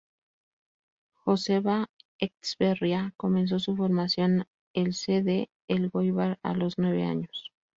Joseba Etxeberria comenzó su formación el C. D. Elgoibar a los nueve años.